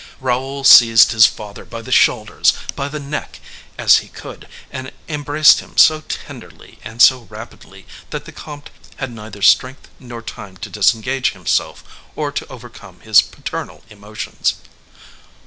Raoul seized his father by the shoulders, by the neck, as he could, and embraced him so tenderly and so rapidly, that the comte had neither strength nor time to disengage himself, or to overcome his paternal emotions.